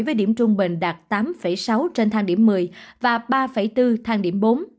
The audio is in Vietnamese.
với điểm trung bình đạt tám sáu trên thang điểm một mươi và ba bốn thang điểm bốn